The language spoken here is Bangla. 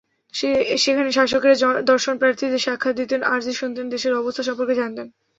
সেখানে শাসকেরা দর্শনপ্রার্থীদের সাক্ষাৎ দিতেন, আরজি শুনতেন, দেশের অবস্থা সম্পর্কে জানতেন।